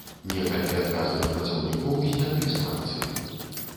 Некалькі адказных працаўнікоў зняты з працы.